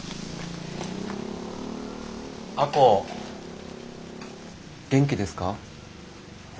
亜子元気ですか？